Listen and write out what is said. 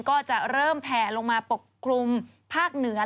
ก็จะเริ่มแผ่ลงมาปกคลุมภาคเหนือ